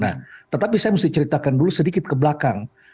nah tetapi saya mesti ceritakan dulu sedikit ke belakang